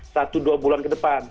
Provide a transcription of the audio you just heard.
satu dua bulan ke depan